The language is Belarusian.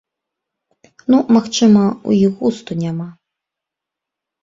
Ну, магчыма, у іх густу няма.